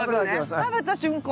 食べた瞬間